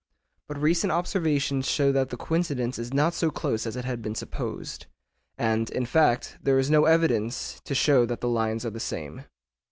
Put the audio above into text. But recent observations show that the coincidence is not so close as had been supposed, and, in fact, there is no evidence to show that the lines are the same.